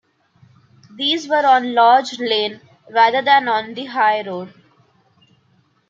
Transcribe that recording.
These were on Lodge Lane rather than on the High Road.